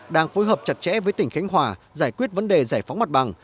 đang phối hợp chặt chẽ với tỉnh khánh hòa giải quyết vấn đề giải phóng mặt bằng